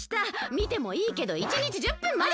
みてもいいけど１にち１０分まで！